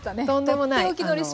とんでもない。